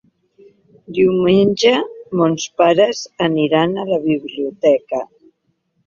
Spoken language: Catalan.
Diumenge mons pares aniran a la biblioteca.